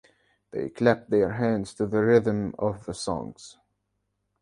They clapped their hands to the rhythm of the songs.